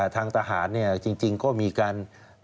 ทางทหารจริงก็มีการ